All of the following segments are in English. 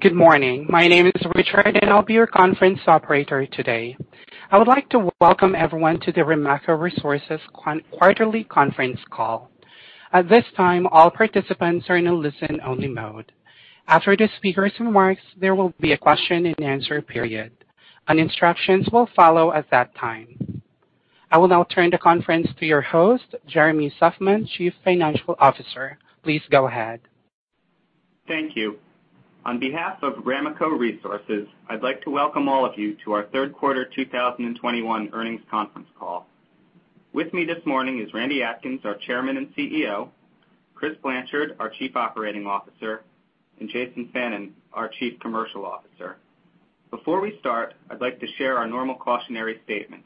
Good morning. My name is Richard, and I'll be your conference operator today. I would like to welcome everyone to the Ramaco Resources quarterly conference call. At this time, all participants are in a listen-only mode. After the speakers' remarks, there will be a question-and-answer period. Instructions will follow at that time. I will now turn the conference to your host, Jeremy Sussman, Chief Financial Officer. Please go ahead. Thank you. On behalf of Ramaco Resources, I'd like to welcome all of you to our third quarter 2021 earnings conference call. With me this morning is Randy Atkins, our Chairman and CEO, Chris Blanchard, our Chief Operating Officer, and Jason Fannin, our Chief Commercial Officer. Before we start, I'd like to share our normal cautionary statement.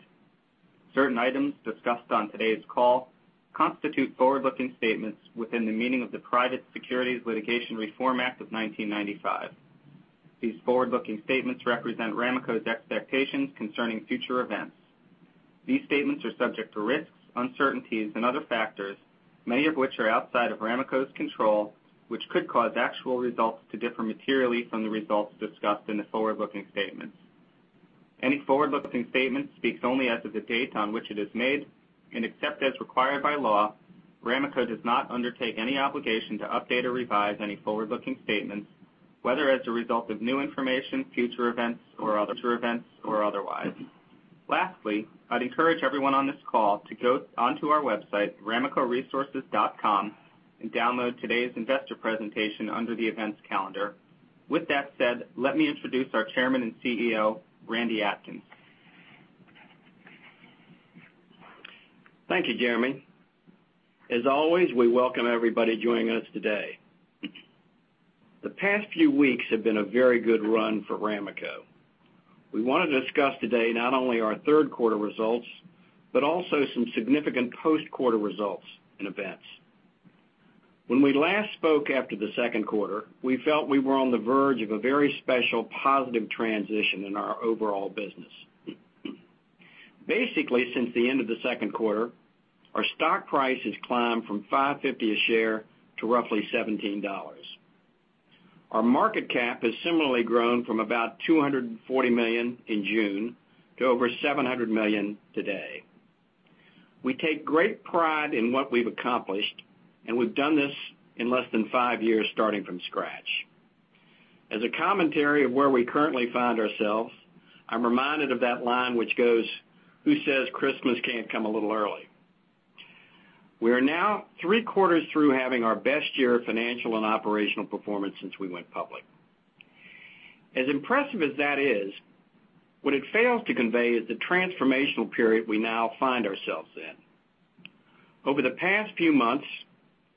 Certain items discussed on today's call constitute forward-looking statements within the meaning of the Private Securities Litigation Reform Act of 1995. These forward-looking statements represent Ramaco's expectations concerning future events. These statements are subject to risks, uncertainties, and other factors, many of which are outside of Ramaco's control, which could cause actual results to differ materially from the results discussed in the forward-looking statements. Any forward-looking statement speaks only as of the date on which it is made. Except as required by law, Ramaco does not undertake any obligation to update or revise any forward-looking statements, whether as a result of new information, future events, or other future events or otherwise. Lastly, I'd encourage everyone on this call to go onto our website, ramacoresources.com, and download today's investor presentation under the events calendar. With that said, let me introduce our Chairman and CEO, Randy Atkins. Thank you, Jeremy. As always, we welcome everybody joining us today. The past few weeks have been a very good run for Ramaco. We wanna discuss today not only our third quarter results, but also some significant post-quarter results and events. When we last spoke after the second quarter, we felt we were on the verge of a very special positive transition in our overall business. Basically, since the end of the second quarter, our stock price has climbed from $5.50 a share to roughly $17. Our market cap has similarly grown from about $240 million in June to over $700 million today. We take great pride in what we've accomplished, and we've done this in less than 5 years, starting from scratch. As a commentary of where we currently find ourselves, I'm reminded of that line which goes, who says Christmas can't come a little early? We are now three quarters through having our best year of financial and operational performance since we went public. As impressive as that is, what it fails to convey is the transformational period we now find ourselves in. Over the past few months,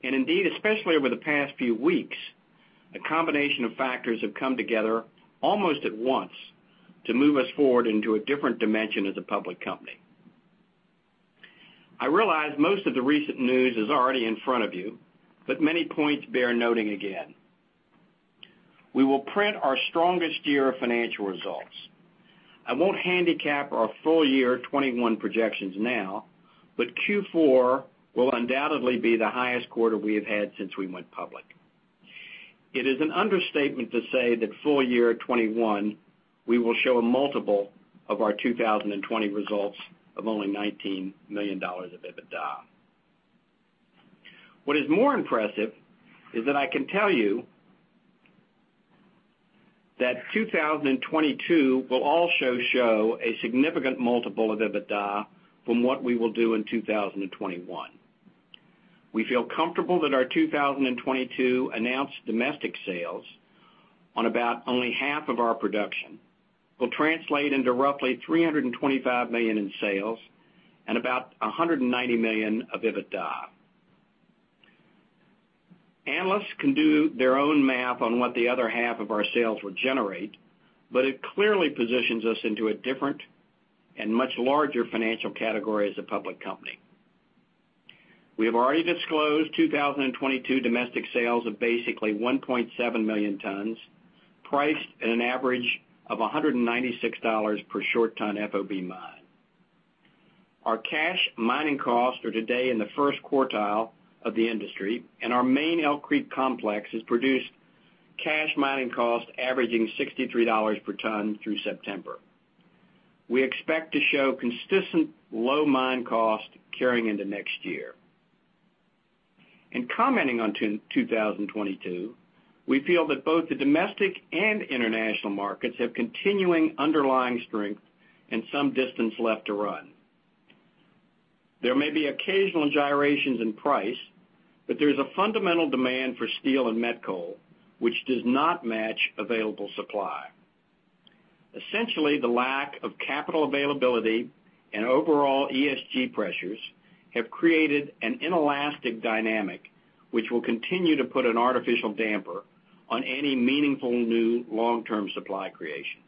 and indeed especially over the past few weeks, a combination of factors have come together almost at once to move us forward into a different dimension as a public company. I realize most of the recent news is already in front of you, but many points bear noting again. We will print our strongest year of financial results. I won't handicap our full year 2021 projections now, but Q4 will undoubtedly be the highest quarter we have had since we went public. It is an understatement to say that full year 2021, we will show a multiple of our 2020 results of only $19 million of EBITDA. What is more impressive is that I can tell you that 2022 will also show a significant multiple of EBITDA from what we will do in 2021. We feel comfortable that our 2022 announced domestic sales on about only half of our production will translate into roughly $325 million in sales and about $190 million of EBITDA. Analysts can do their own math on what the other half of our sales would generate, but it clearly positions us into a different and much larger financial category as a public company. We have already disclosed 2022 domestic sales of basically 1.7 million tons, priced at an average of $196 per short ton FOB mine. Our cash mining costs are today in the first quartile of the industry, and our main Elk Creek Complex has produced cash mining costs averaging $63 per ton through September. We expect to show consistent low mine cost carrying into next year. In commenting on 2022, we feel that both the domestic and international markets have continuing underlying strength and some distance left to run. There may be occasional gyrations in price, but there's a fundamental demand for steel and met coal which does not match available supply. Essentially, the lack of capital availability and overall ESG pressures have created an inelastic dynamic, which will continue to put an artificial damper on any meaningful new long-term supply creation.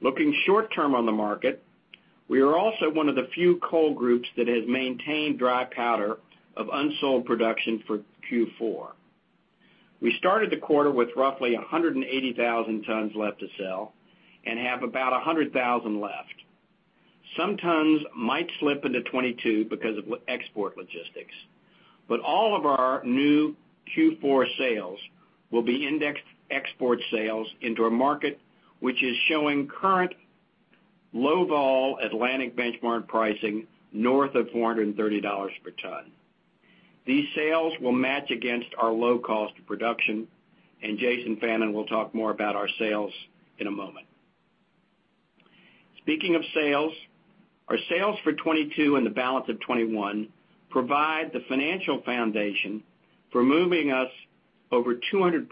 Looking short-term on the market, we are also one of the few coal groups that has maintained dry powder of unsold production for Q4. We started the quarter with roughly 180,000 tons left to sell and have about 100,000 tons left. Some tons might slip into 2022 because of export logistics. All of our new Q4 sales will be indexed export sales into a market which is showing current low vol Atlantic benchmark pricing north of $430 per ton. These sales will match against our low cost of production, and Jason Fannin will talk more about our sales in a moment. Speaking of sales, our sales for 2022 and the balance of 2021 provide the financial foundation for moving us over 200%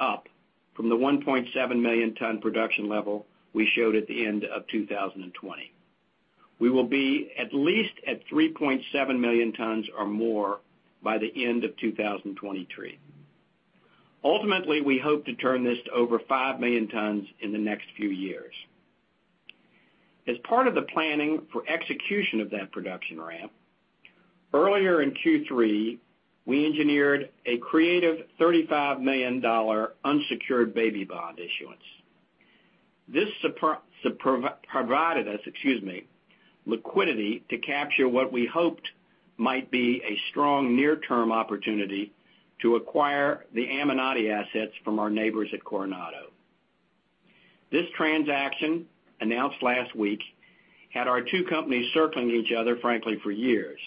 up from the 1.7 million ton production level we showed at the end of 2020. We will be at least at 3.7 million tons or more by the end of 2023. Ultimately, we hope to turn this to over 5 million tons in the next few years. As part of the planning for execution of that production ramp, earlier in Q3, we engineered a creative $35 million unsecured baby bond issuance. This provided us, excuse me, liquidity to capture what we hoped might be a strong near-term opportunity to acquire the Amonate assets from our neighbors at Coronado. This transaction, announced last week, had our two companies circling each other, frankly, for years.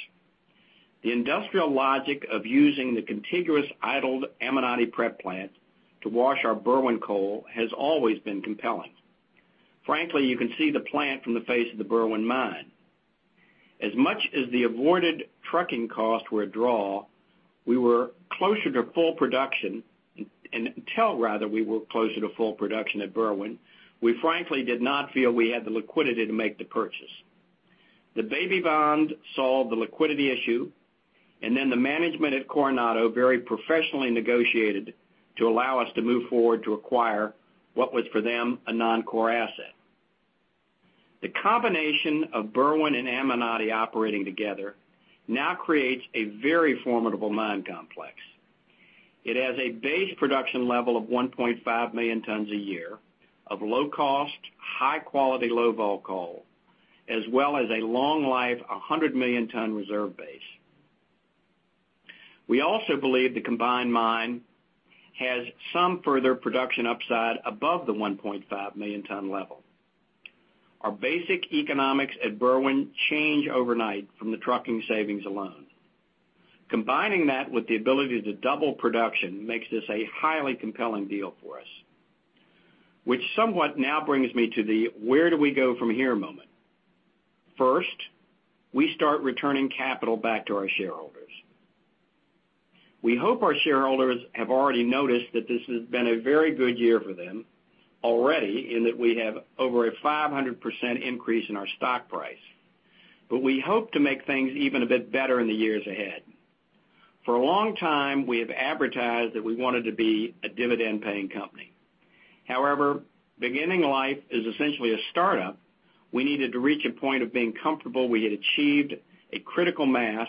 The industrial logic of using the contiguous idled Amonate prep plant to wash our Berwind coal has always been compelling. Frankly, you can see the plant from the face of the Berwind mine. As much as the avoided trucking costs were a draw, until rather we were closer to full production at Berwind, we frankly did not feel we had the liquidity to make the purchase. The baby bond solved the liquidity issue, and then the management at Coronado very professionally negotiated to allow us to move forward to acquire what was for them a non-core asset. The combination of Berwind and Amonate operating together now creates a very formidable mine complex. It has a base production level of 1.5 million tons a year of low cost, high quality, low vol coal, as well as a long life, 100 million ton reserve base. We also believe the combined mine has some further production upside above the 1.5 million ton level. Our basic economics at Berwind change overnight from the trucking savings alone. Combining that with the ability to double production makes this a highly compelling deal for us. Which somewhat now brings me to the where do we go from here moment. First, we start returning capital back to our shareholders. We hope our shareholders have already noticed that this has been a very good year for them already in that we have over a 500% increase in our stock price. We hope to make things even a bit better in the years ahead. For a long time, we have advertised that we wanted to be a dividend paying company. However, beginning life as essentially a startup, we needed to reach a point of being comfortable we had achieved a critical mass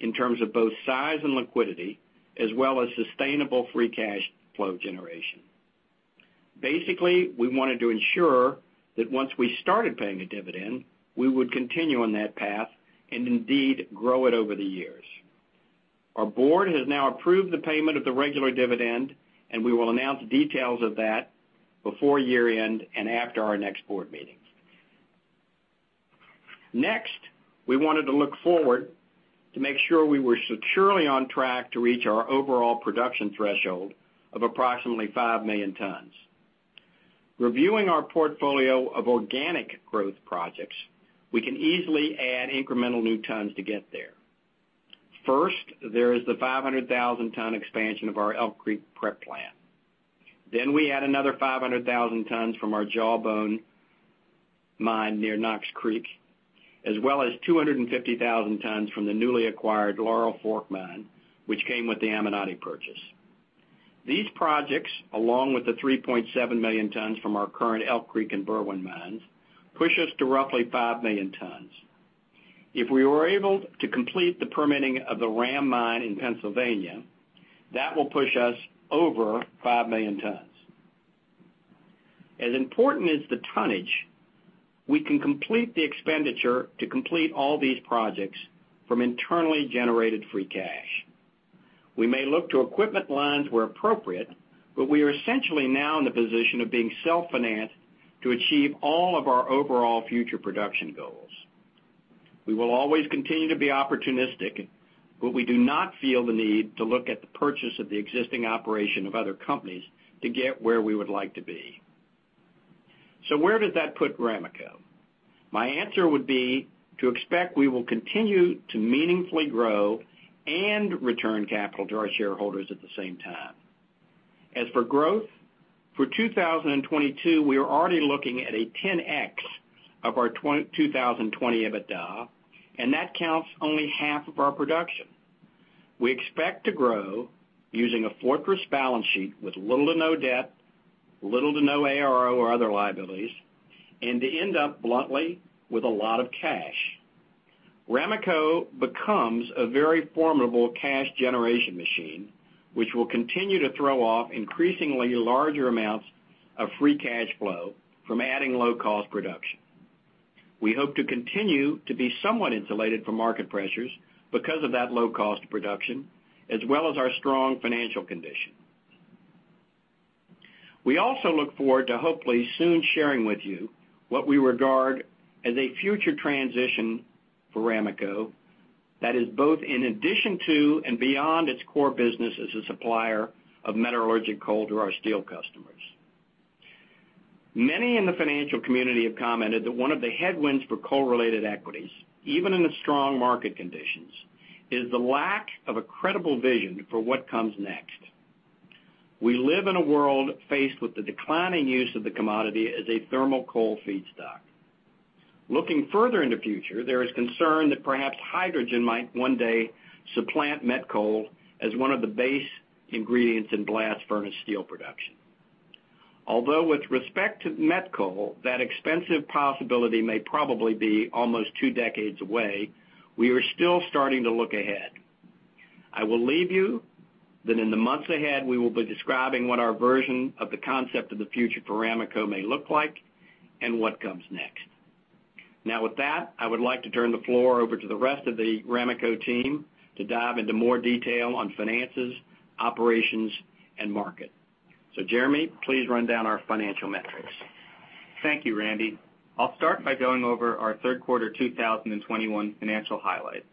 in terms of both size and liquidity, as well as sustainable free cash flow generation. Basically, we wanted to ensure that once we started paying a dividend, we would continue on that path and indeed grow it over the years. Our Board has now approved the payment of the regular dividend, and we will announce details of that before year-end and after our next board meeting. Next, we wanted to look forward to make sure we were securely on track to reach our overall production threshold of approximately 5 million tons. Reviewing our portfolio of organic growth projects, we can easily add incremental new tons to get there. First, there is the 500,000-ton expansion of our Elk Creek prep plant. We add another 500,000 tons from our Jawbone mine near Knox Creek, as well as 250,000 tons from the newly acquired Laurel Fork mine, which came with the Amonate purchase. These projects, along with the 3.7 million tons from our current Elk Creek and Berwind mines, push us to roughly 5 million tons. If we were able to complete the permitting of the Ram mine in Pennsylvania, that will push us over 5 million tons. As important as the tonnage, we can complete the expenditure to complete all these projects from internally generated free cash. We may look to equipment lines where appropriate, but we are essentially now in the position of being self-financed to achieve all of our overall future production goals. We will always continue to be opportunistic, but we do not feel the need to look at the purchase of the existing operation of other companies to get where we would like to be. So where does that put Ramaco? My answer would be to expect we will continue to meaningfully grow and return capital to our shareholders at the same time. As for growth, for 2022, we are already looking at a 10x of our 2020 EBITDA, and that counts only half of our production. We expect to grow using a fortress balance sheet with little to no debt, little to no ARO or other liabilities, and to end up bluntly with a lot of cash. Ramaco becomes a very formidable cash generation machine, which will continue to throw off increasingly larger amounts of free cash flow from adding low-cost production. We hope to continue to be somewhat insulated from market pressures because of that low-cost production as well as our strong financial condition. We also look forward to hopefully soon sharing with you what we regard as a future transition for Ramaco that is both in addition to and beyond its core business as a supplier of metallurgical coal to our steel customers. Many in the financial community have commented that one of the headwinds for coal-related equities, even in the strong market conditions, is the lack of a credible vision for what comes next. We live in a world faced with the declining use of the commodity as a thermal coal feedstock. Looking further in the future, there is concern that perhaps hydrogen might one day supplant met coal as one of the base ingredients in blast furnace steel production. Although with respect to met coal, that expensive possibility may probably be almost two decades away, we are still starting to look ahead. I will tell you that in the months ahead, we will be describing what our version of the concept of the future for Ramaco may look like and what comes next. Now, with that, I would like to turn the floor over to the rest of the Ramaco team to dive into more detail on finances, operations, and market. Jeremy, please run down our financial metrics. Thank you, Randy. I'll start by going over our third quarter 2021 financial highlights.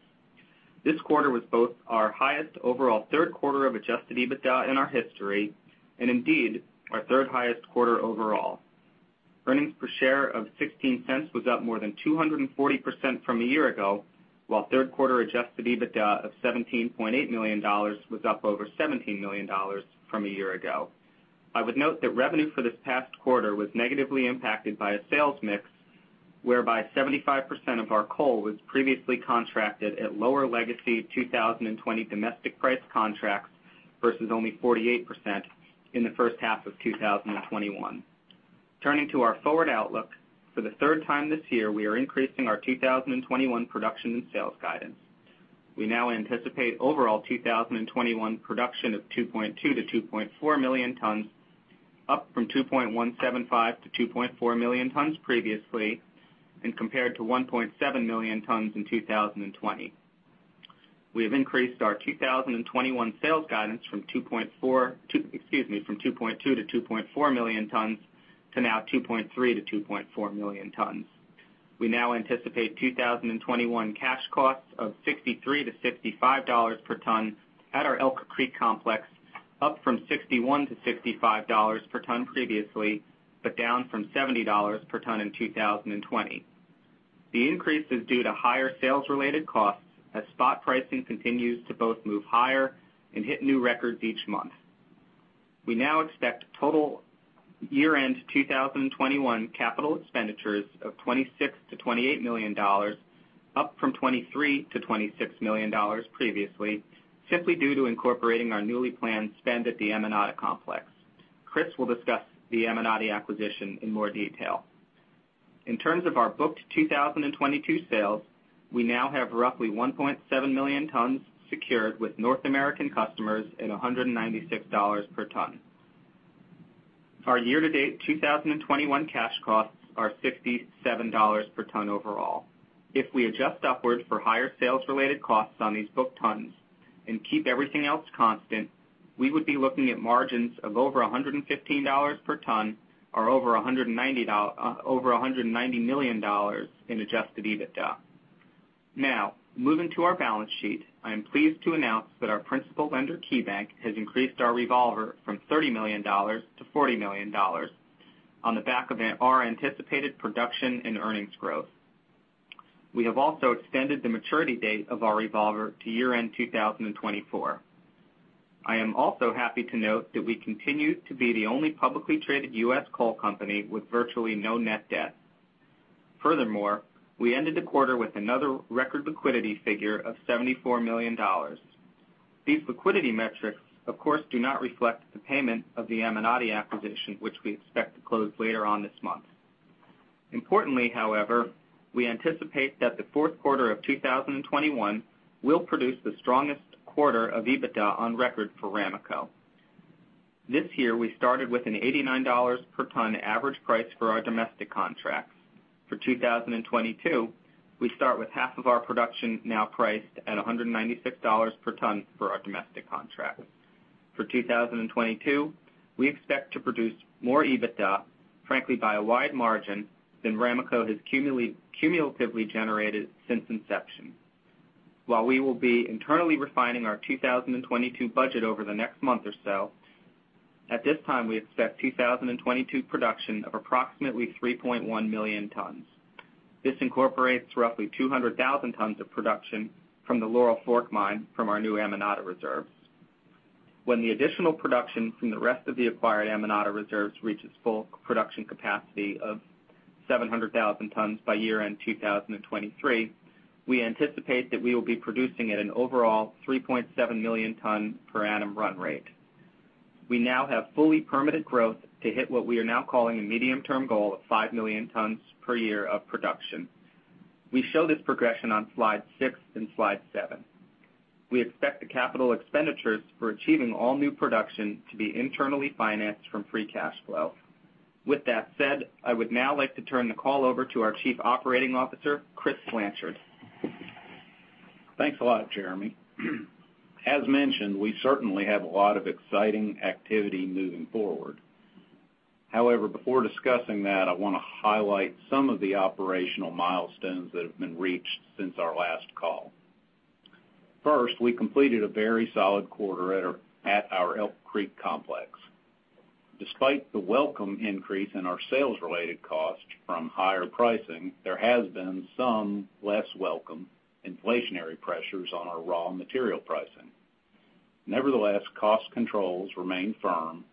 This quarter was both our highest overall third quarter of adjusted EBITDA in our history, and indeed, our third-highest quarter overall. Earnings per share of $0.16 was up more than 240% from a year ago, while third quarter adjusted EBITDA of $17.8 million was up over $17 million from a year ago. I would note that revenue for this past quarter was negatively impacted by a sales mix whereby 75% of our coal was previously contracted at lower legacy 2020 domestic price contracts versus only 48% in the first half of 2021. Turning to our forward outlook, for the third time this year, we are increasing our 2021 production and sales guidance. We now anticipate overall 2021 production of 2.2 million-2.4 million tons, up from 2.175 million-2.4 million tons previously, and compared to 1.7 million tons in 2020. We have increased our 2021 sales guidance, excuse me, from 2.2 million-2.4 million tons to now 2.3 million-2.4 million tons. We now anticipate 2021 cash costs of $63-$65 per ton at our Elk Creek Complex, up from $61-$65 per ton previously, but down from $70 per ton in 2020. The increase is due to higher sales-related costs as spot pricing continues to both move higher and hit new records each month. We now expect total year-end 2021 capital expenditures of $26 million-$28 million, up from $23 million-$26 million previously, simply due to incorporating our newly planned spend at the Amonate Complex. Chris will discuss the Amonate acquisition in more detail. In terms of our booked 2022 sales, we now have roughly 1.7 million tons secured with North American customers at $196 per ton. Our year-to-date 2021 cash costs are $67 per ton overall. If we adjust upwards for higher sales-related costs on these booked tons and keep everything else constant, we would be looking at margins of over $115 per ton or over $190 million in adjusted EBITDA. Now, moving to our balance sheet, I am pleased to announce that our principal lender, KeyBank, has increased our revolver from $30 million to $40 million on the back of our anticipated production and earnings growth. We have also extended the maturity date of our revolver to year-end 2024. I am also happy to note that we continue to be the only publicly traded U.S. coal company with virtually no net debt. Furthermore, we ended the quarter with another record liquidity figure of $74 million. These liquidity metrics, of course, do not reflect the payment of the Amonate acquisition, which we expect to close later on this month. Importantly, however, we anticipate that the fourth quarter of 2021 will produce the strongest quarter of EBITDA on record for Ramaco. This year, we started with an $89 per ton average price for our domestic contracts. For 2022, we start with half of our production now priced at a $196 per ton for our domestic contracts. For 2022, we expect to produce more EBITDA, frankly by a wide margin, than Ramaco has cumulatively generated since inception. While we will be internally refining our 2022 budget over the next month or so, at this time, we expect 2022 production of approximately 3.1 million tons. This incorporates roughly 200,000 tons of production from the Laurel Fork mine from our new Amonate reserves. When the additional production from the rest of the acquired Amonate reserves reaches full production capacity of 700,000 tons by year-end 2023, we anticipate that we will be producing at an overall 3.7 million ton per annum run rate. We now have fully permitted growth to hit what we are now calling a medium-term goal of 5 million tons per year of production. We show this progression on slide six and slide seven. We expect the capital expenditures for achieving all new production to be internally financed from free cash flow. With that said, I would now like to turn the call over to our Chief Operating Officer, Chris Blanchard. Thanks a lot, Jeremy. As mentioned, we certainly have a lot of exciting activity moving forward. However, before discussing that, I wanna highlight some of the operational milestones that have been reached since our last call. First, we completed a very solid quarter at our Elk Creek Complex. Despite the welcome increase in our sales-related costs from higher pricing, there has been some less welcome inflationary pressures on our raw material pricing. Nevertheless, cost controls remained firm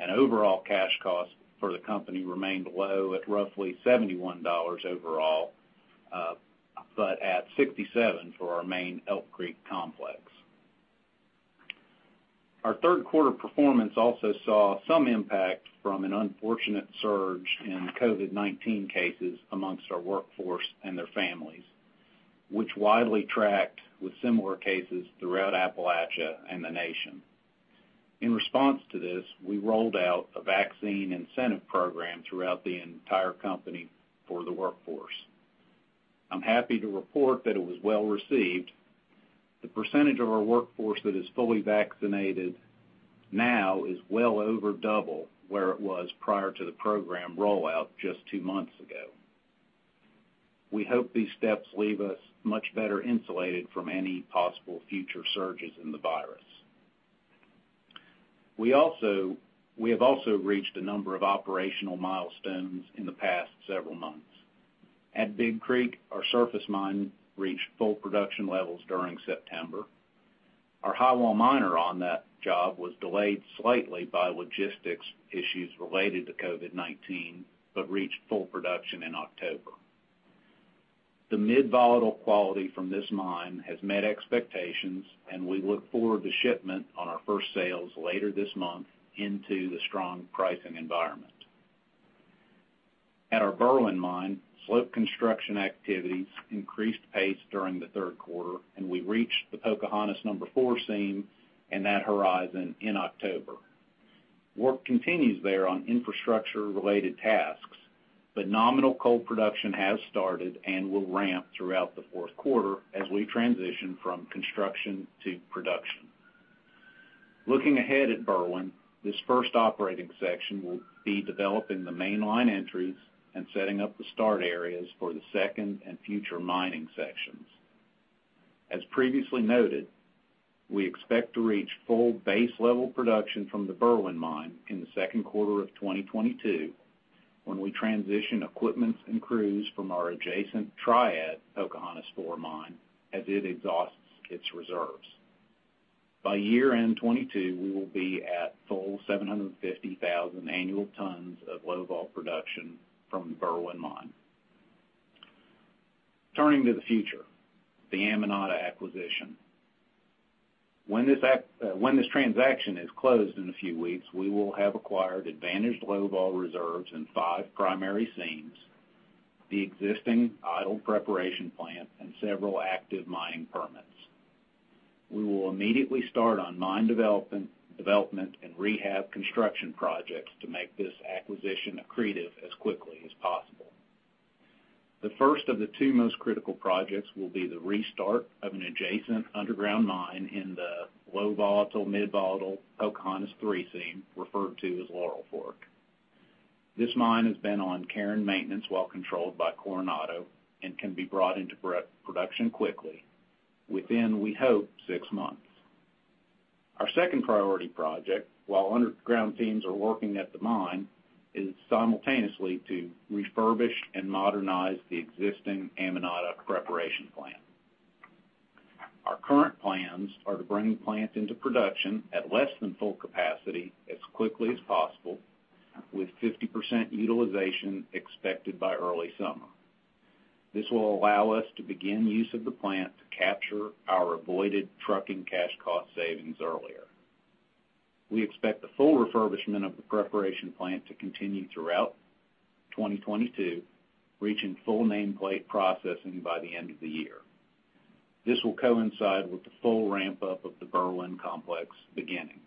and overall cash costs for the company remained low at roughly $71 overall, but at $67 for our main Elk Creek Complex. Our third quarter performance also saw some impact from an unfortunate surge in COVID-19 cases amongst our workforce and their families, which widely tracked with similar cases throughout Appalachia and the nation. In response to this, we rolled out a vaccine incentive program throughout the entire company for the workforce. I'm happy to report that it was well-received. The percentage of our workforce that is fully vaccinated now is well over double where it was prior to the program rollout just two months ago. We hope these steps leave us much better insulated from any possible future surges in the virus. We have also reached a number of operational milestones in the past several months. At Big Creek, our surface mine reached full production levels during September. Our highwall miner on that job was delayed slightly by logistics issues related to COVID-19, but reached full production in October. The mid-volatile quality from this mine has met expectations, and we look forward to shipment on our first sales later this month into the strong pricing environment. At our Berwind mine, slope construction activities increased pace during the third quarter, and we reached the Pocahontas 4 seam and that horizon in October. Work continues there on infrastructure-related tasks, but nominal coal production has started and will ramp throughout the fourth quarter as we transition from construction to production. Looking ahead at Berwind, this first operating section will be developing the main line entries and setting up the start areas for the second and future mining sections. As previously noted, we expect to reach full base level production from the Berwind mine in the second quarter of 2022 when we transition equipment and crews from our adjacent Triad Pocahontas 4 mine as it exhausts its reserves. By year-end 2022, we will be at full 750,000 annual tons of low-vol production from the Berwind mine. Turning to the future, the Amonate acquisition. When this transaction is closed in a few weeks, we will have acquired advantaged low vol reserves in five primary seams, the existing idle preparation plant, and several active mining permits. We will immediately start on mine development and rehab construction projects to make this acquisition accretive as quickly as possible. The first of the two most critical projects will be the restart of an adjacent underground mine in the low volatile, mid volatile Pocahontas 3 seam, referred to as Laurel Fork. This mine has been on care and maintenance while controlled by Coronado and can be brought into production quickly, within, we hope, six months. Our second priority project, while underground teams are working at the mine, is simultaneously to refurbish and modernize the existing Amonate preparation plant. Our current plans are to bring the plant into production at less than full capacity as quickly as possible, with 50% utilization expected by early summer. This will allow us to begin use of the plant to capture our avoided trucking cash cost savings earlier. We expect the full refurbishment of the preparation plant to continue throughout 2022, reaching full nameplate processing by the end of the year. This will coincide with the full ramp-up of the Berwind Complex beginning.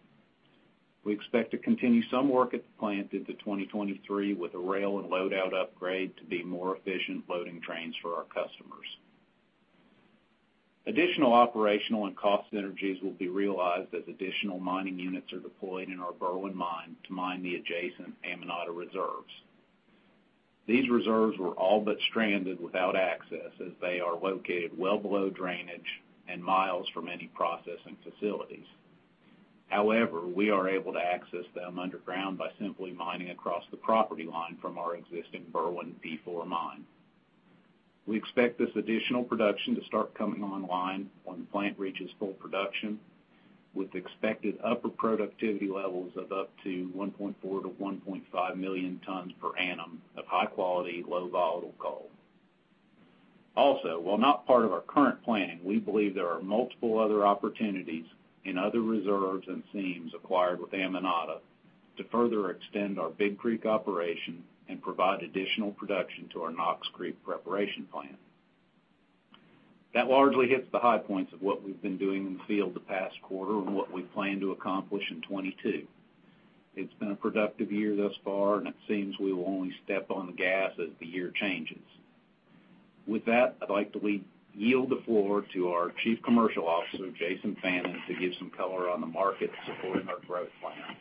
We expect to continue some work at the plant into 2023 with a rail and load-out upgrade to be more efficient loading trains for our customers. Additional operational and cost synergies will be realized as additional mining units are deployed in our Berwind mine to mine the adjacent Amonate reserves. These reserves were all but stranded without access as they are located well below drainage and miles from any processing facilities. However, we are able to access them underground by simply mining across the property line from our existing Berwind P4 mine. We expect this additional production to start coming online when the plant reaches full production, with expected upper productivity levels of up to 1.4 million-1.5 million tons per annum of high-quality, low volatile coal. While not part of our current planning, we believe there are multiple other opportunities in other reserves and seams acquired with Amonate to further extend our Big Creek operation and provide additional production to our Knox Creek preparation plan. That largely hits the high points of what we've been doing in the field the past quarter and what we plan to accomplish in 2022. It's been a productive year thus far, and it seems we will only step on the gas as the year changes. With that, I'd like to yield the floor to our Chief Commercial Officer, Jason Fannin, to give some color on the market supporting our growth plans.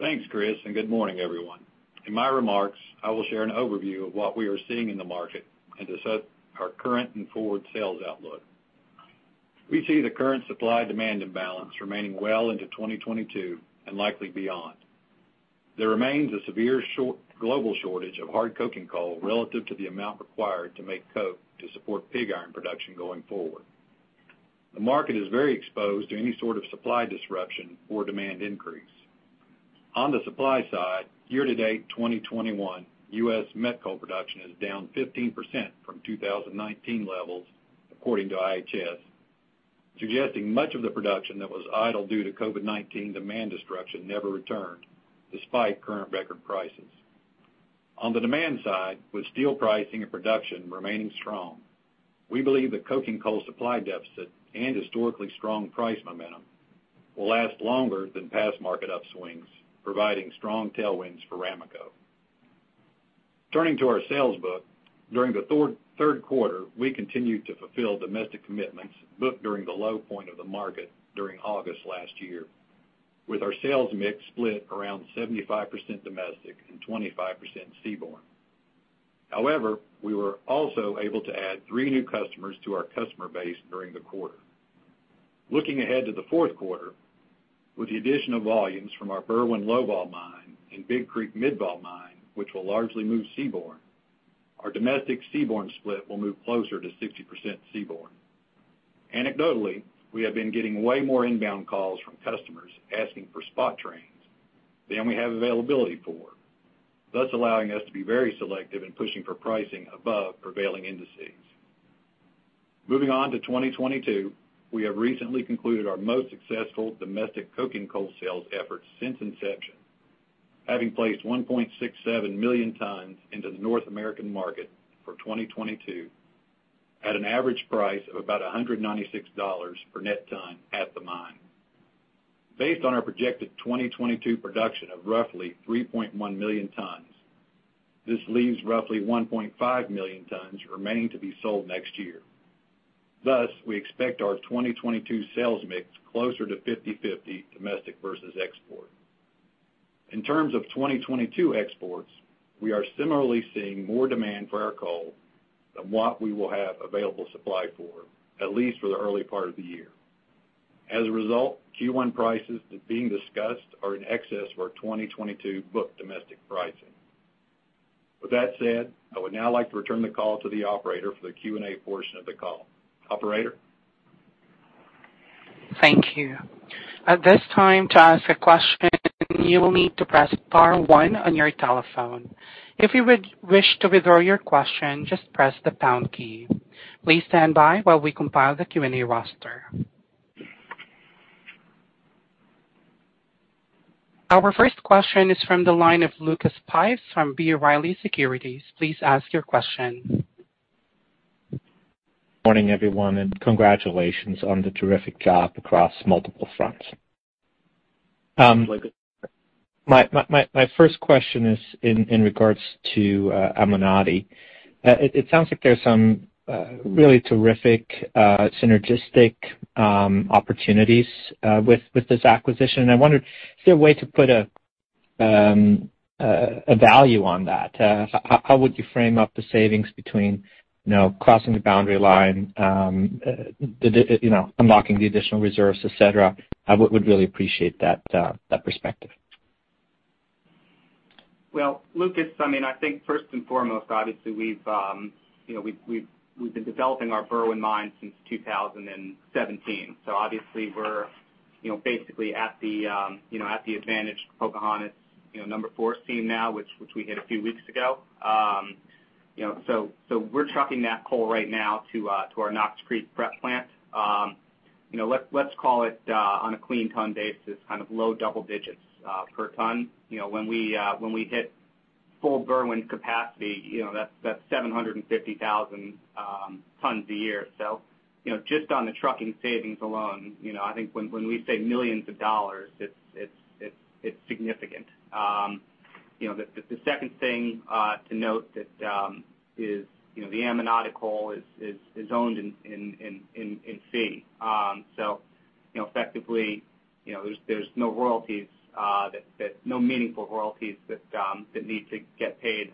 Thanks, Chris, and good morning, everyone. In my remarks, I will share an overview of what we are seeing in the market and to set our current and forward sales outlook. We see the current supply-demand imbalance remaining well into 2022 and likely beyond. There remains a severe global shortage of hard coking coal relative to the amount required to make coke to support pig iron production going forward. The market is very exposed to any sort of supply disruption or demand increase. On the supply side, year-to-date 2021, U.S. met coal production is down 15% from 2019 levels according to IHS, suggesting much of the production that was idle due to COVID-19 demand destruction never returned despite current record prices. On the demand side, with steel pricing and production remaining strong, we believe the coking coal supply deficit and historically strong price momentum will last longer than past market upswings, providing strong tailwinds for Ramaco. Turning to our sales book, during the third quarter, we continued to fulfill domestic commitments booked during the low point of the market during August last year, with our sales mix split around 75% domestic and 25% seaborne. However, we were also able to add three new customers to our customer base during the quarter. Looking ahead to the fourth quarter, with the addition of volumes from our Berwind low-vol mine and Big Creek mid-vol mine, which will largely move seaborne, our domestic seaborne split will move closer to 60% seaborne. Anecdotally, we have been getting way more inbound calls from customers asking for spot trains than we have availability for, thus allowing us to be very selective in pushing for pricing above prevailing indices. Moving on to 2022, we have recently concluded our most successful domestic coking coal sales efforts since inception, having placed 1.67 million tons into the North American market for 2022 at an average price of about $196 per net ton at the mine. Based on our projected 2022 production of roughly 3.1 million tons, this leaves roughly 1.5 million tons remaining to be sold next year. Thus, we expect our 2022 sales mix closer to 50/50 domestic versus export. In terms of 2022 exports, we are similarly seeing more demand for our coal than what we will have available supply for, at least for the early part of the year. As a result, Q1 prices that are being discussed are in excess of our 2022 booked domestic pricing. With that said, I would now like to return the call to the operator for the Q&A portion of the call. Operator? Thank you. At this time, to ask a question, you will need to press star one on your telephone. If you would wish to withdraw your question, just press the pound key. Please stand by while we compile the Q&A roster. Our first question is from the line of Lucas Pipes from B. Riley Securities. Please ask your question. Morning, everyone, and congratulations on the terrific job across multiple fronts. Lucas. My first question is in regards to Amonate. It sounds like there's some really terrific synergistic opportunities with this acquisition. I wondered, is there a way to put a value on that? How would you frame up the savings between, you know, crossing the boundary line, the you know, unlocking the additional reserves, etc.? I would really appreciate that perspective. Well, Lucas, I mean, I think first and foremost, obviously, you know, we've been developing our Berwind mine since 2017. Obviously we're, you know, basically at the advantage Pocahontas 4 seam now, which we hit a few weeks ago. You know, we're trucking that coal right now to our Knox Creek prep plant. You know, let's call it on a clean ton basis, kind of low double digits per ton. You know, when we hit full Berwind capacity, you know, that's 750,000 tons a year. You know, just on the trucking savings alone, you know, I think when we say millions of dollars, it's significant. You know, the second thing to note is the Amonate coal is owned in fee. So, you know, effectively, you know, there's no meaningful royalties that need to get paid,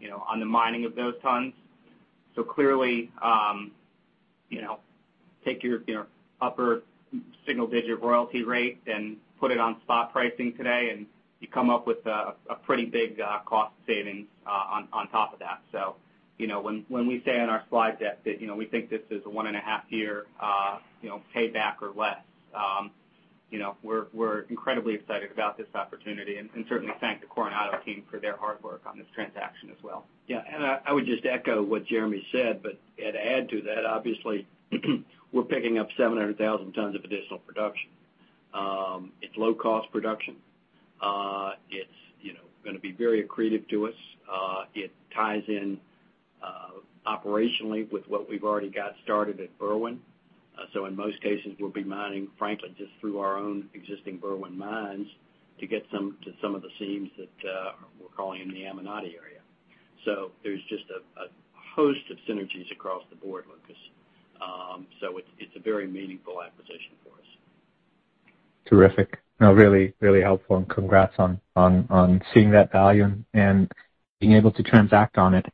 you know, on the mining of those tons. So clearly, you know, take your upper single-digit royalty rate and put it on spot pricing today, and you come up with a pretty big cost savings on top of that. So, you know, when we say on our slide deck that, you know, we think this is a 1.5-year payback or less. You know, we're incredibly excited about this opportunity and certainly thank the Coronado team for their hard work on this transaction as well. I would just echo what Jeremy said, but I'd add to that. Obviously, we're picking up 700,000 tons of additional production. It's low cost production. It's gonna be very accretive to us. It ties in operationally with what we've already got started at Berwind. In most cases, we'll be mining, frankly, just through our own existing Berwind mines to get to some of the seams that we're calling in the Amonate area. There's just a host of synergies across the board, Lucas. It's a very meaningful acquisition for us. Terrific. No, really, really helpful, and congrats on seeing that value and being able to transact on it.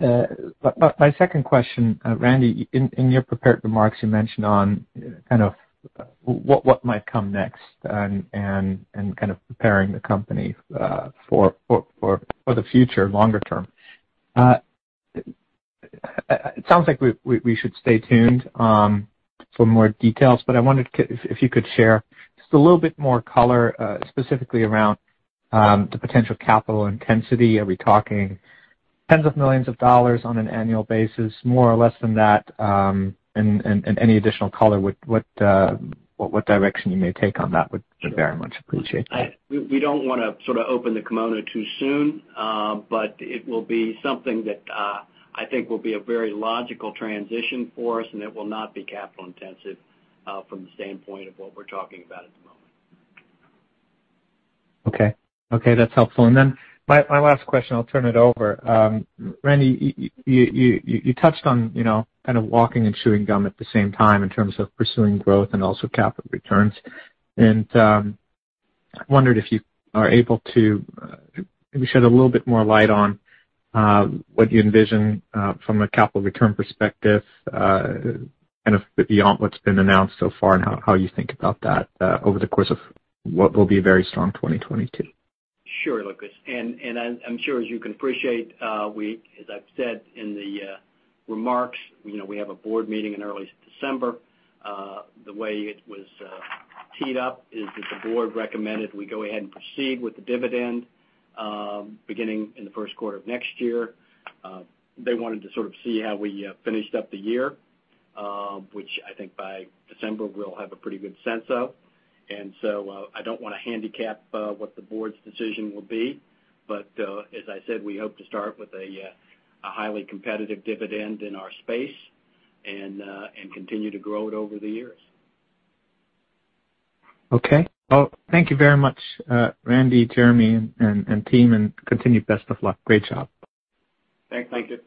My second question, Randy, in your prepared remarks, you mentioned kind of what might come next and kind of preparing the company for the future longer term. It sounds like we should stay tuned for more details, but I wondered if you could share just a little bit more color, specifically around the potential capital intensity. Are we talking $10s of millions on an annual basis, more or less than that? Any additional color, what direction you may take on that would be very much appreciated. We don't wanna sort of open the kimono too soon, but it will be something that, I think will be a very logical transition for us, and it will not be capital intensive, from the standpoint of what we're talking about at the moment. Okay. Okay, that's helpful. Then my last question, I'll turn it over. Randy, you touched on, you know, kind of walking and chewing gum at the same time in terms of pursuing growth and also capital returns. I wondered if you are able to maybe shed a little bit more light on what you envision from a capital return perspective, kind of beyond what's been announced so far and how you think about that over the course of what will be a very strong 2022. Sure, Lucas. I'm sure as you can appreciate, as I've said in the remarks, you know, we have a board meeting in early December. The way it was teed up is that the board recommended we go ahead and proceed with the dividend, beginning in the first quarter of next year. They wanted to sort of see how we finished up the year, which I think by December we'll have a pretty good sense of. I don't wanna handicap what the board's decision will be, but as I said, we hope to start with a highly competitive dividend in our space and continue to grow it over the years. Okay. Well, thank you very much, Randy, Jeremy, and team, and continued best of luck. Great job. Thanks. Thank you.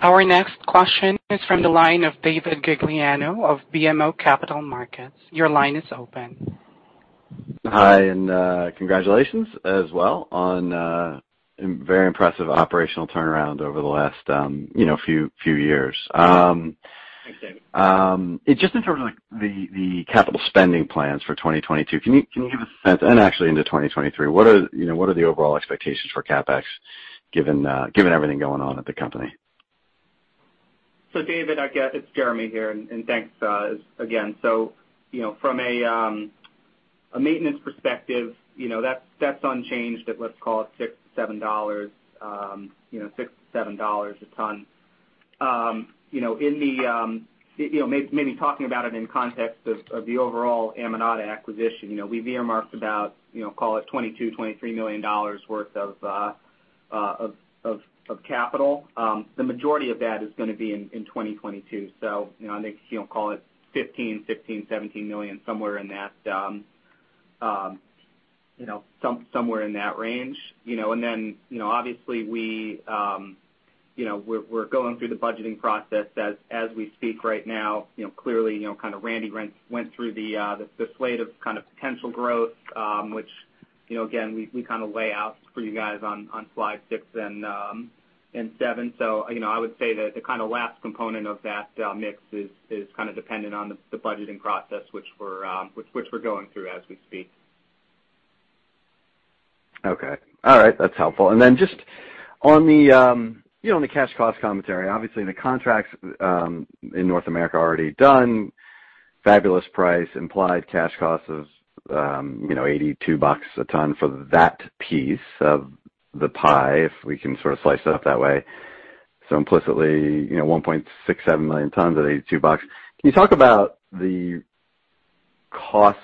Our next question is from the line of David Gagliano of BMO Capital Markets. Your line is open. Hi, congratulations as well on a very impressive operational turnaround over the last you know few years. Thanks, David. Just in terms of the capital spending plans for 2022, can you give us a sense, and actually into 2023, what are, you know, the overall expectations for CapEx given everything going on at the company? David, I guess it's Jeremy here, and thanks again. From a maintenance perspective, you know, that's unchanged at, let's call it $67, you know, $67 a ton. You know, maybe talking about it in context of the overall Amonate acquisition, you know, we've earmarked about, you know, call it $22 million-$23 million worth of capital. The majority of that is gonna be in 2022. You know, I think, you know, call it $15 million-$17 million, somewhere in that range, you know. And then, you know, obviously we, you know, we're going through the budgeting process as we speak right now. You know, clearly, you know, kind of Randy went through the slate of kind of potential growth, which, you know, again, we kind of lay out for you guys on slide six and seven. You know, I would say that the kind of last component of that mix is kind of dependent on the budgeting process, which we're going through as we speak. Okay. All right. That's helpful. Just on the, you know, on the cash cost commentary, obviously in the contracts in North America already done, fabulous price, implied cash cost is, you know, $82 a ton for that piece of the pie, if we can sort of slice it up that way. Implicitly, you know, 1.67 million tons at $82. Can you talk about the costs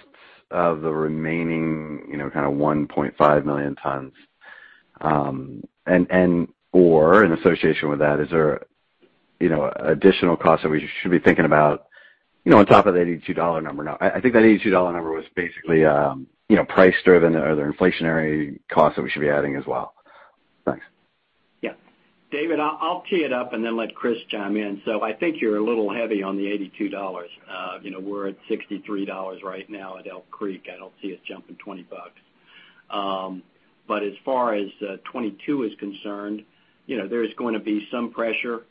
of the remaining, you know, kind of 1.5 million tons? Or in association with that, is there, you know, additional costs that we should be thinking about, you know, on top of the $82 number now? I think that $82 number was basically, you know, price-driven. Are there inflationary costs that we should be adding as well? Thanks. Yeah. David, I'll tee it up and then let Chris chime in. I think you're a little heavy on the $82. You know, we're at $63 right now at Elk Creek. I don't see us jumping $20. As far as 2022 is concerned, you know, there's gonna be some pressure.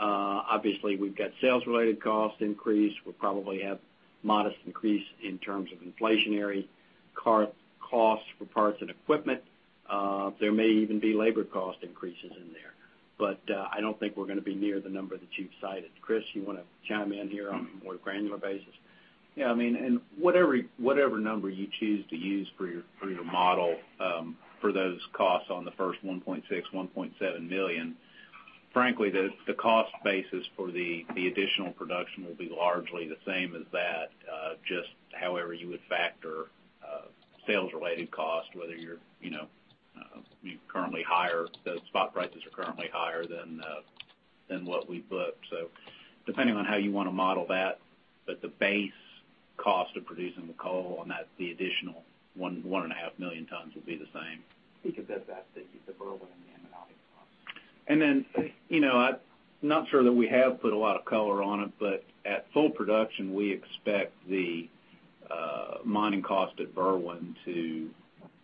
Obviously, we've got sales-related cost increase. We'll probably have modest increase in terms of inflationary costs for parts and equipment. There may even be labor cost increases in there. I don't think we're gonna be near the number that you've cited. Chris, you wanna chime in here on a more granular basis? Yeah, I mean, whatever number you choose to use for your model for those costs on the first 1.6 million-1.7 million tons, frankly, the cost basis for the additional production will be largely the same as that, just however you would factor sales-related cost, whether you're you know the spot prices are currently higher than what we booked. Depending on how you wanna model that, but the base cost of producing the coal on that, the additional 1.5 million tons will be the same. Think of it that you keep the Berwind and the Amonate costs. You know, I'm not sure that we have put a lot of color on it, but at full production, we expect the mining cost at Berwind to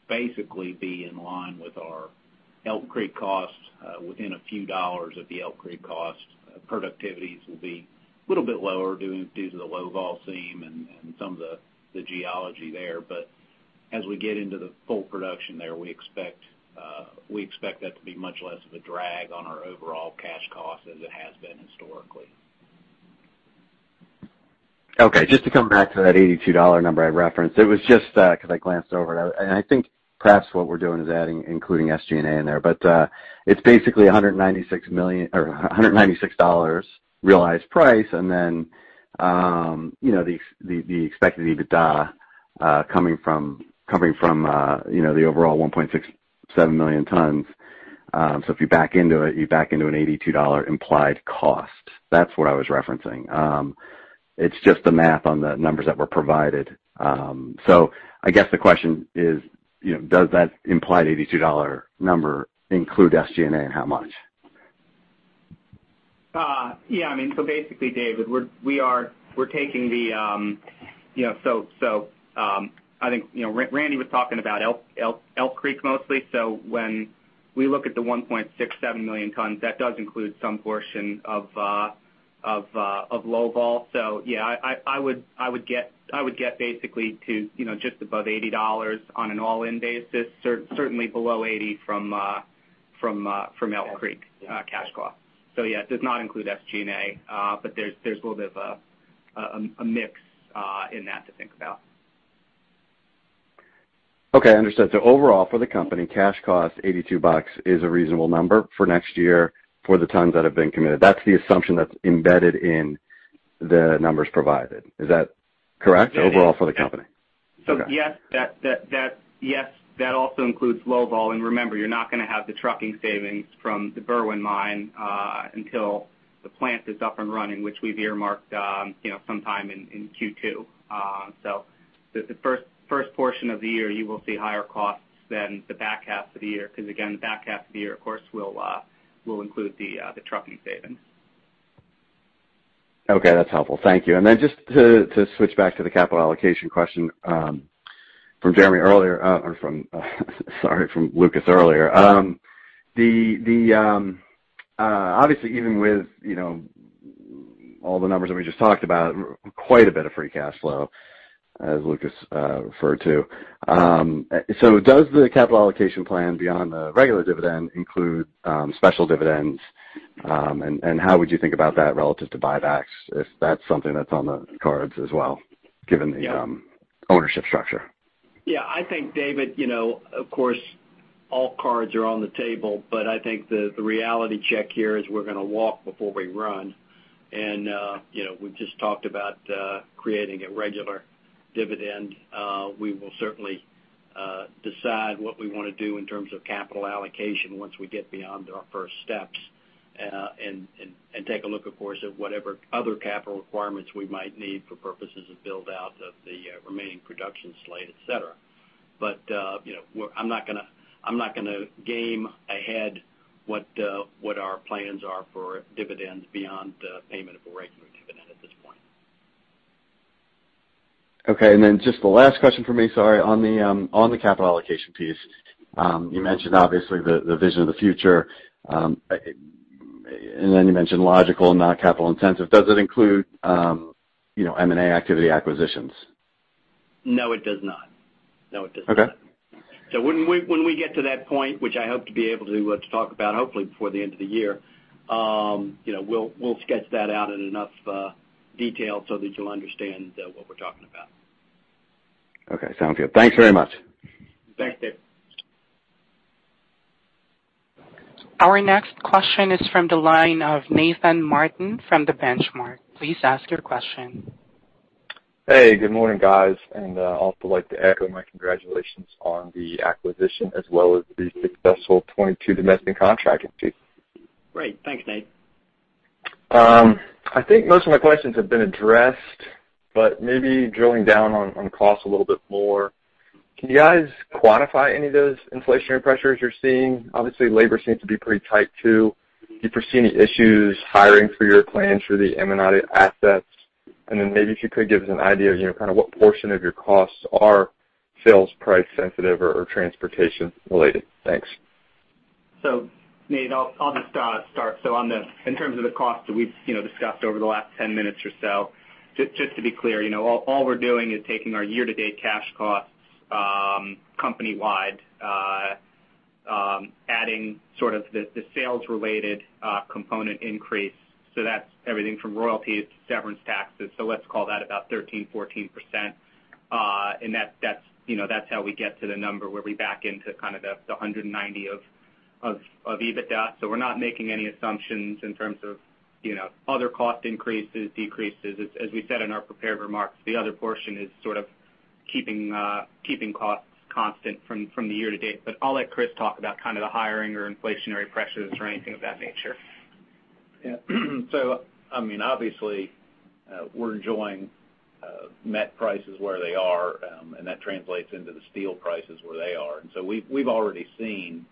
basically be in line with our Elk Creek costs, within a few dollars of the Elk Creek cost. Productivities will be a little bit lower due to the low vol seam and some of the geology there. But as we get into the full production there, we expect that to be much less of a drag on our overall cash cost as it has been historically. Okay, just to come back to that $82 number I referenced, it was just because I glanced over it. I think perhaps what we're doing is adding, including SG&A in there. It's basically $196 million, or $196 realized price. You know the expected EBITDA coming from you know the overall 1.67 million tons. If you back into it, you back into an $82 implied cost. That's what I was referencing. It's just the math on the numbers that were provided. I guess the question is, you know, does that implied $82 number include SG&A and how much? Yeah, I mean, basically, David, I think, you know, Randy was talking about Elk Creek mostly. When we look at the 1.67 million tons, that does include some portion of low vol. Yeah, I would get basically to, you know, just above $80 on an all-in basis, certainly below $80 from Elk Creek cash cost. Yeah, it does not include SG&A, but there's a little bit of a mix in that to think about. Okay, understood. Overall for the company, cash cost $82 is a reasonable number for next year for the tons that have been committed. That's the assumption that's embedded in the numbers provided. Is that correct overall for the company? Yes, that also includes low vol. Remember, you're not gonna have the trucking savings from the Berwind mine until the plant is up and running, which we've earmarked sometime in Q2. The first portion of the year, you will see higher costs than the back half of the year. Because again, the back half of the year, of course, will include the trucking savings. Okay, that's helpful. Thank you. Just to switch back to the capital allocation question from Lucas earlier. Obviously even with you know all the numbers that we just talked about, quite a bit of free cash flow, as Lucas referred to. Does the capital allocation plan beyond the regular dividend include special dividends? How would you think about that relative to buybacks if that's something that's on the cards as well, given the ownership structure? Yeah. I think, David, you know, of course, all cards are on the table, but I think the reality check here is we're gonna walk before we run. You know, we've just talked about creating a regular dividend. We will certainly decide what we wanna do in terms of capital allocation once we get beyond our first steps, and take a look, of course, at whatever other capital requirements we might need for purposes of build out of the remaining production slate, etc. You know, I'm not gonna game ahead what our plans are for dividends beyond payment of a regular dividend at this point. Okay. Just the last question for me, sorry, on the capital allocation piece. You mentioned obviously the vision of the future, and then you mentioned logical, not capital intensive. Does it include, you know, M&A activity acquisitions? No, it does not. Okay. When we get to that point, which I hope to be able to talk about hopefully before the end of the year, you know, we'll sketch that out in enough detail so that you'll understand what we're talking about. Okay. Sounds good. Thanks very much. Thanks, David. Our next question is from the line of Nathan Martin from The Benchmark. Please ask your question. Hey, good morning, guys. I'd also like to echo my congratulations on the acquisition as well as the successful 22 domestic contracting piece. Great. Thanks, Nate. I think most of my questions have been addressed, but maybe drilling down on cost a little bit more. Can you guys quantify any of those inflationary pressures you're seeing? Obviously, labor seems to be pretty tight too. Do you foresee any issues hiring for your plans for the Amonate assets? And then maybe if you could give us an idea of, you know, kind of what portion of your costs are sales price sensitive or transportation related. Thanks. Nate, I'll just start. In terms of the cost that we've you know discussed over the last 10 minutes or so, just to be clear, you know, all we're doing is taking our year-to-date cash costs company-wide adding sort of the sales related component increase. That's everything from royalties to severance taxes. Let's call that about 13%-14%. And that's you know that's how we get to the number where we back into kind of the $190 million of EBITDA. We're not making any assumptions in terms of you know other cost increases, decreases. As we said in our prepared remarks, the other portion is sort of keeping costs constant from the year to date. I'll let Chris talk about kind of the hiring or inflationary pressures or anything of that nature. Yeah. I mean, obviously, we're enjoying met prices where they are, and that translates into the steel prices where they are. We've already seen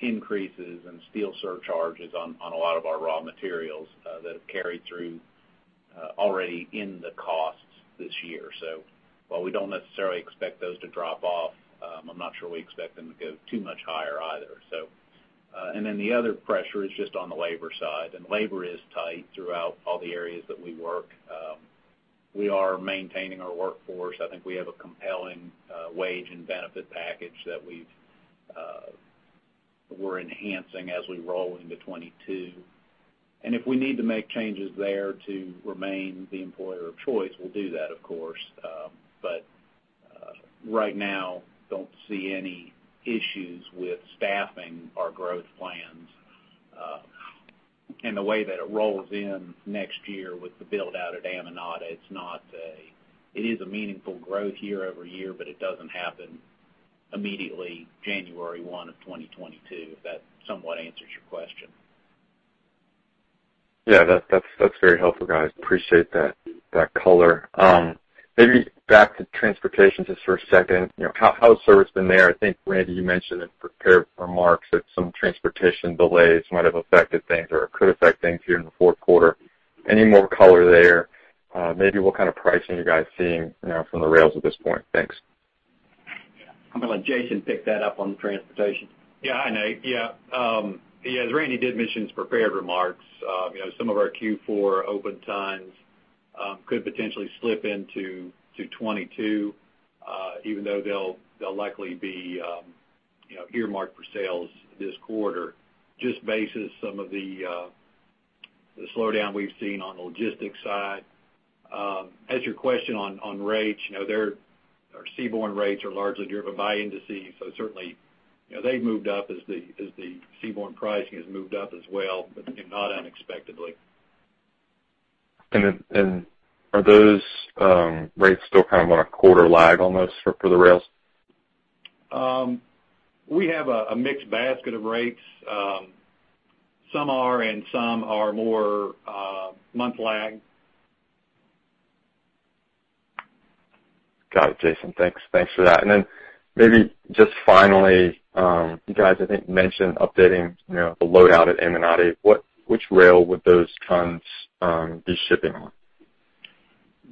increases and steel surcharges on a lot of our raw materials that have carried through already in the costs this year. While we don't necessarily expect those to drop off, I'm not sure we expect them to go too much higher either. And then the other pressure is just on the labor side. Labor is tight throughout all the areas that we work. We are maintaining our workforce. I think we have a compelling wage and benefit package that we're enhancing as we roll into 2022. If we need to make changes there to remain the employer of choice, we'll do that, of course. Right now, I don't see any issues with staffing our growth plans. The way that it rolls in next year with the build-out at Amonate, it's a meaningful growth year-over-year, but it doesn't happen immediately January 1, 2022. If that somewhat answers your question. That's very helpful, guys. Appreciate that color. Maybe back to transportation just for a second. You know, how has service been there? I think, Randy, you mentioned in prepared remarks that some transportation delays might have affected things or could affect things here in the fourth quarter. Any more color there? Maybe what kind of pricing are you guys seeing, you know, from the rails at this point? Thanks. I'm gonna let Jason pick that up on transportation. Hi, Nate. As Randy did mention in his prepared remarks, you know, some of our Q4 open times could potentially slip into 2022, even though they'll likely be, you know, earmarked for sales this quarter. Just based on some of the slowdown we've seen on the logistics side. As to your question on rates, you know, our seaborne rates are largely driven by indices. So certainly, you know, they've moved up as the seaborne pricing has moved up as well, but not unexpectedly. Are those rates still kind of on a quarter lag almost for the rails? We have a mixed basket of rates. Some are and some are more month lag. Got it, Jason. Thanks for that. Then maybe just finally, you guys I think mentioned updating, you know, the load out at Amonate. Which rail would those tons be shipping on?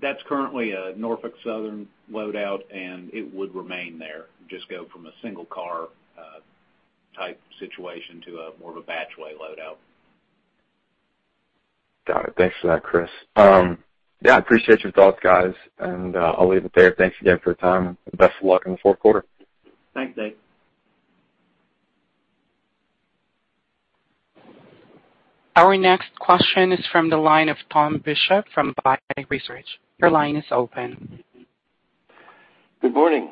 That's currently a Norfolk Southern load out, and it would remain there. Just go from a single car, type situation to a more of a batch weigh load out. Got it. Thanks for that, Chris. Yeah, I appreciate your thoughts, guys, and I'll leave it there. Thanks again for your time, and best of luck in the fourth quarter. Thanks, Nate. Our next question is from the line of Tom Bishop from BI Research. Your line is open. Good morning.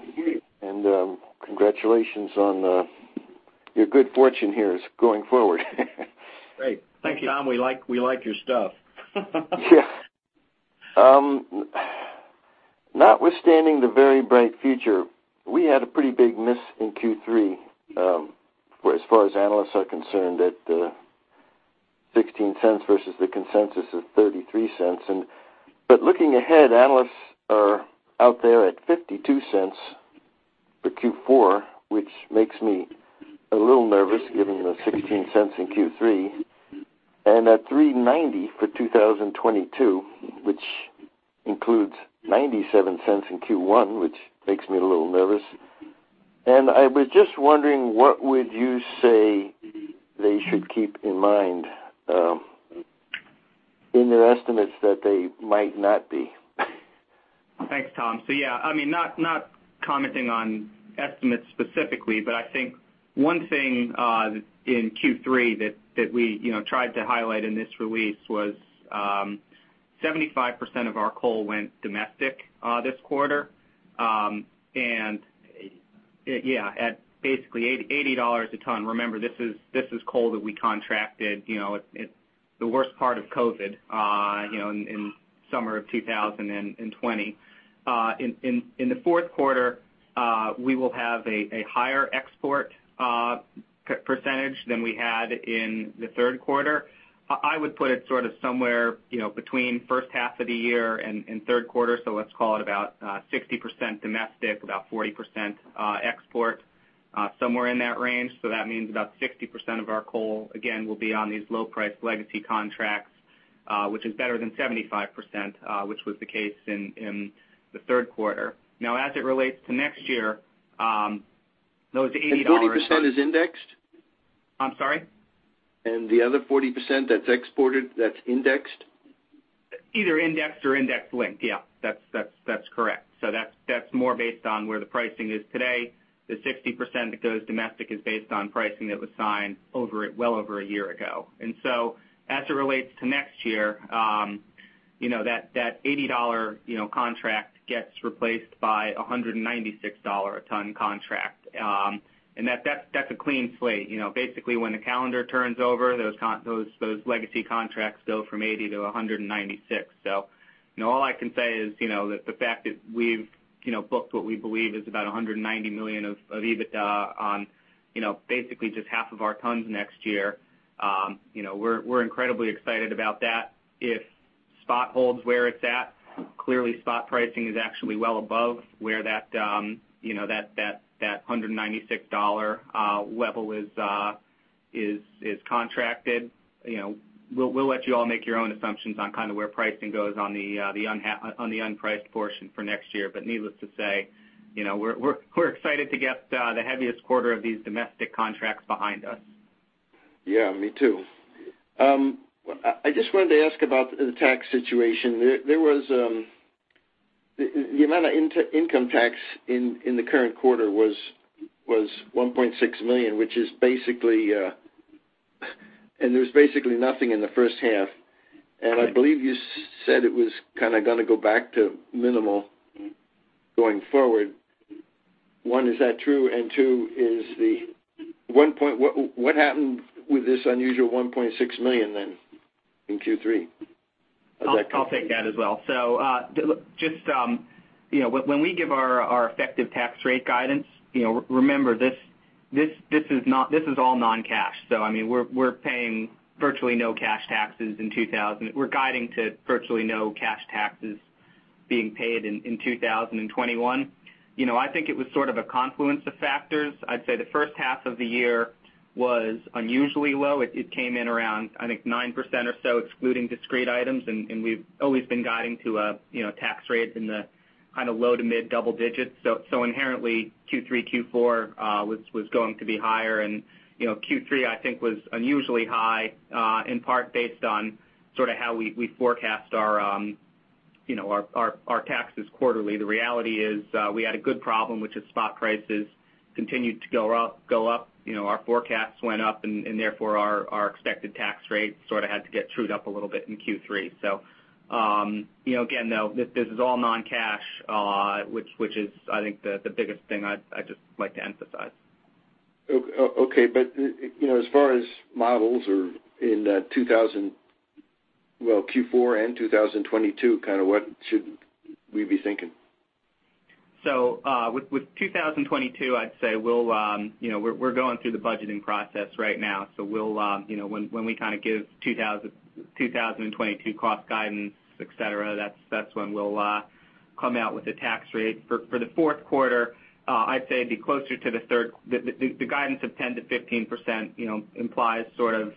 Congratulations on your good fortune here is going forward. Great. Thank you, Tom. We like your stuff. Yeah. Notwithstanding the very bright future. We had a pretty big miss in Q3, where as far as analysts are concerned at $0.16 versus the consensus of $0.33. But looking ahead, analysts are out there at $0.52 for Q4, which makes me a little nervous given, you know, $0.16 in Q3. At $3.90 for 2022, which includes $0.97 in Q1, which makes me a little nervous. I was just wondering what would you say they should keep in mind in their estimates that they might not be? Thanks, Tom. Yeah, I mean, not commenting on estimates specifically, but I think one thing in Q3 that we tried to highlight in this release was 75% of our coal went domestic this quarter. Yeah, at basically $80 a ton. Remember, this is coal that we contracted at the worst part of COVID in summer of 2020. In the fourth quarter, we will have a higher export percentage than we had in the third quarter. I would put it sort of somewhere between first half of the year and third quarter. Let's call it about 60% domestic, about 40% export, somewhere in that range. That means about 60% of our coal, again, will be on these low price legacy contracts, which is better than 75%, which was the case in the third quarter. Now, as it relates to next year, those $80- 40% is indexed? I'm sorry? The other 40% that's exported, that's indexed? Either indexed or index-linked. Yeah. That's correct. So that's more based on where the pricing is today. The 60% that goes domestic is based on pricing that was signed well over a year ago. As it relates to next year, you know, that $80, you know, contract gets replaced by a $196 a ton contract. That's a clean slate. You know, basically, when the calendar turns over, those legacy contracts go from $80 to $196. You know, all I can say is, you know, that the fact that we've you know, booked what we believe is about $190 million of EBITDA on, you know, basically just half of our tons next year, you know, we're incredibly excited about that. If spot holds where it's at, clearly spot pricing is actually well above where that you know that $196 level is contracted. You know, we'll let you all make your own assumptions on kind of where pricing goes on the unpriced portion for next year. Needless to say, you know, we're excited to get the heaviest quarter of these domestic contracts behind us. Yeah, me too. I just wanted to ask about the tax situation. The amount of income tax in the current quarter was $1.6 million, which is basically. There's basically nothing in the first half. I believe you said it was kinda gonna go back to minimal going forward. One, is that true? Two, what happened with this unusual $1.6 million then in Q3? I'll take that as well. Just, you know, when we give our effective tax rate guidance, you know, remember, this is all non-cash. I mean, we're guiding to virtually no cash taxes being paid in 2021. You know, I think it was sort of a confluence of factors. I'd say the first half of the year was unusually low. It came in around, I think 9% or so, excluding discrete items, and we've always been guiding to, you know, tax rates in the kind of low to mid double digits. Inherently Q3, Q4 was going to be higher. You know, Q3, I think, was unusually high in part based on sort of how we forecast our taxes quarterly. The reality is, we had a good problem, which is spot prices continued to go up. You know, our forecasts went up and therefore our expected tax rate sort of had to get trued up a little bit in Q3. You know, again, though, this is all non-cash, which is, I think, the biggest thing I'd just like to emphasize. Okay. You know, as far as modeling Q4 and 2022, kind of what should we be thinking? With 2022, I'd say we'll, you know, we're going through the budgeting process right now. We'll, you know, when we kind of give 2022 cost guidance, etc., that's when we'll come out with a tax rate. For the fourth quarter, I'd say it'd be closer to the third. The guidance of 10%-15%, you know, implies sort of,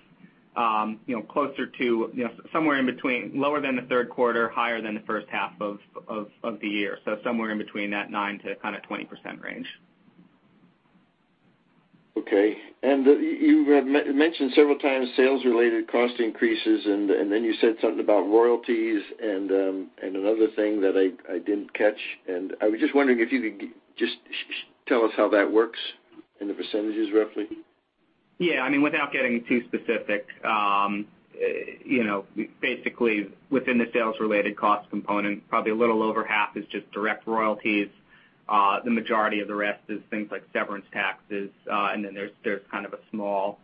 closer to, you know, somewhere in between lower than the third quarter, higher than the first half of the year. Somewhere in between that 9%-20% range. Okay. You have mentioned several times sales related cost increases and then you said something about royalties and another thing that I didn't catch. I was just wondering if you could just tell us how that works and the percentages roughly. Yeah. I mean, without getting too specific, you know, basically within the sales related cost component, probably a little over half is just direct royalties. The majority of the rest is things like severance taxes, and then there's kind of a small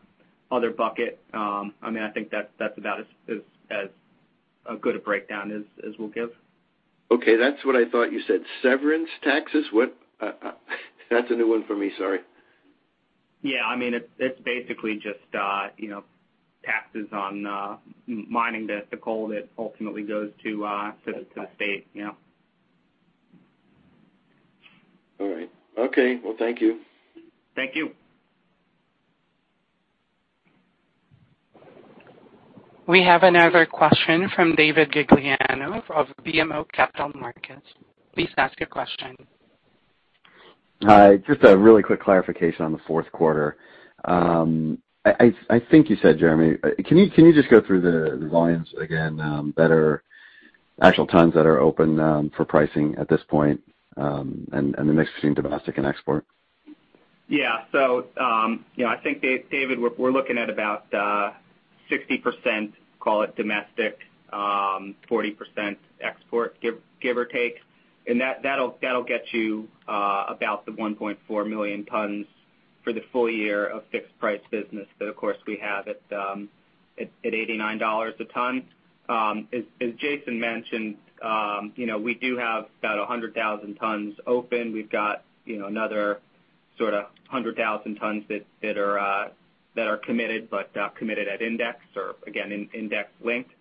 other bucket. I mean, I think that's about as good a breakdown as we'll give. Okay. That's what I thought you said. Severance taxes? What? That's a new one for me. Sorry. Yeah. I mean, it's basically just, you know, taxes on mining the coal that ultimately goes to the state, yeah. All right. Okay. Well, thank you. Thank you. We have another question from David Gagliano of BMO Capital Markets. Please ask your question. Hi. Just a really quick clarification on the fourth quarter. I think you said, Jeremy, can you just go through the volumes again that are actual tons that are open for pricing at this point, and the mix between domestic and export? Yeah. You know, I think David, we're looking at about 60%, call it domestic, 40% export, give or take. That'll get you about the 1.4 million tons for the full year of fixed price business that of course we have at $89 a ton. As Jason mentioned, you know, we do have about 100,000 tons open. We've got another sort of 100,000 tons that are committed, but committed at index or again, index-linked.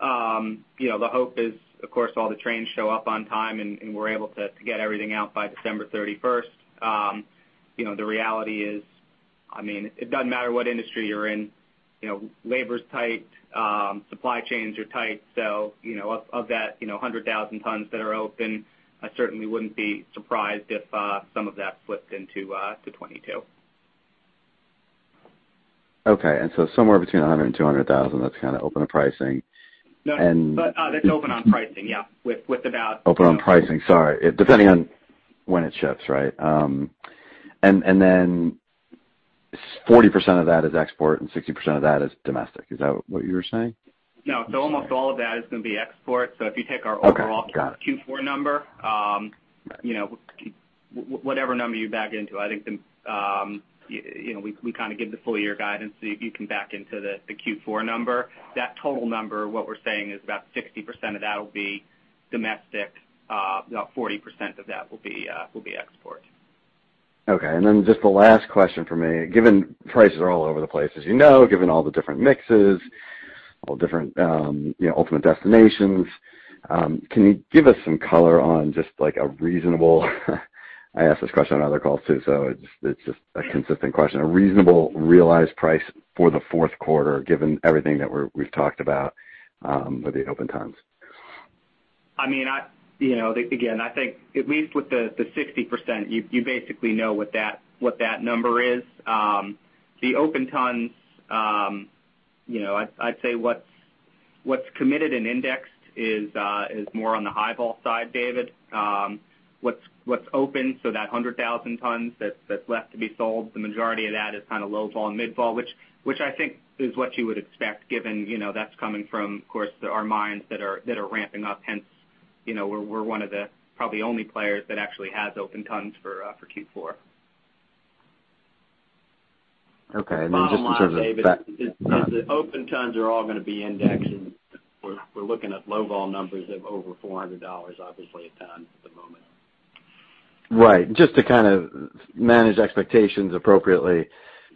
You know, the hope is, of course, all the trains show up on time and we're able to get everything out by December 31st. You know, the reality is. I mean, it doesn't matter what industry you're in, you know, labor's tight, supply chains are tight. You know, of that 100,000 tons that are open, I certainly wouldn't be surprised if some of that flipped into 2022. Okay. Somewhere between 100,000 tons-200,000 tons, that's kinda open to pricing. No. And- That's open on pricing, yeah, with about- Open on pricing, sorry. Depending on when it ships, right? 40% of that is export and 60% of that is domestic. Is that what you were saying? No. Almost all of that is gonna be export. If you take our overall- Okay. Got it. Q4 number, you know, whatever number you back into, I think, you know, we kinda give the full year guidance, so you can back into the Q4 number. That total number, what we're saying is about 60% of that will be domestic, 40% of that will be export. Okay. Just the last question from me. Given prices are all over the place, as you know, given all the different mixes, all different, you know, ultimate destinations, can you give us some color on just like a reasonable realized price. I ask this question on other calls too, so it's just a consistent question for the fourth quarter, given everything that we've talked about with the open tons. I mean, you know, again, I think at least with the 60%, you basically know what that number is. The open tons, you know, I'd say what's committed and indexed is more on the high-vol side, David. What's open, so that 100,000 tons that's left to be sold, the majority of that is kinda low-vol and mid-vol, which I think is what you would expect given, you know, that's coming from, of course, our mines that are ramping up, hence, you know, we're one of the probably only players that actually has open tons for Q4. Okay. I mean, just in terms of. Bottom line, David, is the open tons are all gonna be indexed, and we're looking at low vol numbers of over $400 obviously a ton at the moment. Right. Just to kind of manage expectations appropriately,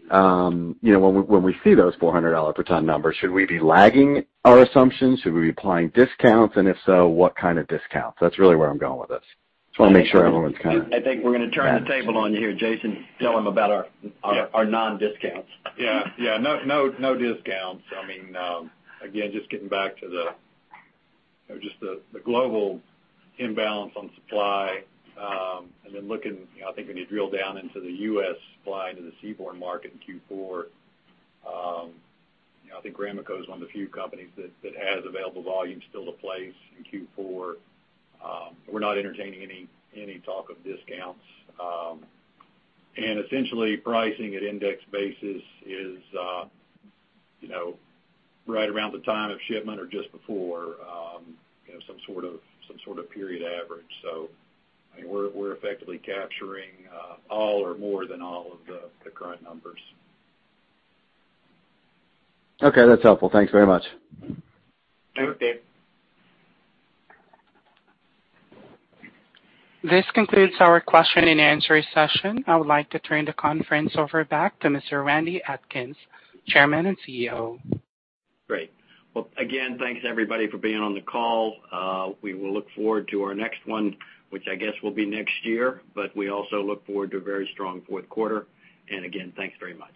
you know, when we see those $400 per ton numbers, should we be lagging our assumptions? Should we be applying discounts? And if so, what kind of discounts? That's really where I'm going with this. Just wanna make sure everyone's kinda. I think we're gonna turn the table on you here. Jason, tell him about our non-discounts. Yeah. No discounts. I mean, again, just getting back to the, you know, just the global imbalance on supply, and then looking, you know, I think when you drill down into the U.S. supply, into the seaborne market in Q4, you know, I think Ramaco is one of the few companies that has available volume still to place in Q4. We're not entertaining any talk of discounts. Essentially pricing at index basis is, you know, right around the time of shipment or just before, you know, some sort of period average. I mean, we're effectively capturing all or more than all of the current numbers. Okay, that's helpful. Thanks very much. Thank you. This concludes our question and answer session. I would like to turn the conference over back to Mr. Randy Atkins, Chairman and CEO. Great. Well, again, thanks everybody for being on the call. We will look forward to our next one, which I guess will be next year, but we also look forward to a very strong fourth quarter. Again, thanks very much.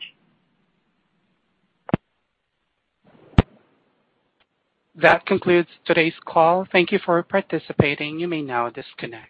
That concludes today's call. Thank you for participating. You may now disconnect.